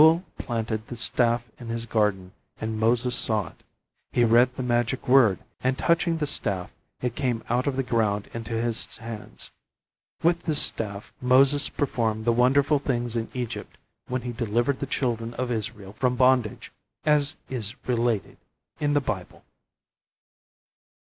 Reuel planted the staff in his garden and Moses saw it. He read the magic word, and touching the staff it came out of the ground into his hands. With this staff Moses performed the wonderful things in Egypt when he delivered the children of Israel from bondage, as is related in the Bible.